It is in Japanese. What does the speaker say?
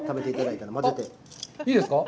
いいですか？